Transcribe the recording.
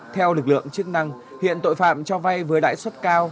theo lực lượng chức năng hiện tội phạm cho vay với lãi suất cao